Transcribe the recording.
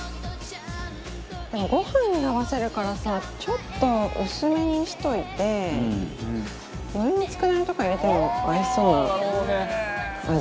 でもご飯に合わせるからさちょっと薄めにしといて海苔の佃煮とか入れても合いそうな味。